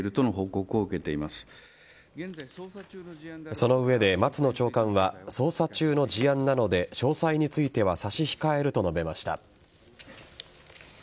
その上で松野長官は捜査中の事案なので詳細については差し控えると述べました。